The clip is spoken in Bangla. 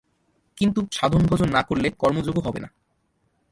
কিন্তু সাধন-ভজন না করলে কর্মযোগও হবে না।